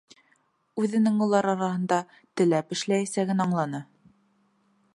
Үҙенең улар араһында теләп эшләйәсәген аңланы.